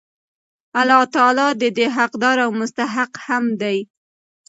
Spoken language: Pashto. الله تعالی د دي حقدار او مستحق هم دی